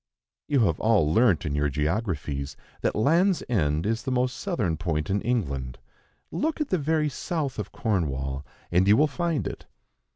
You have all learnt, in your geographies, that Land's End is the most southern point in England; look at the very south of Cornwall, and you will find it.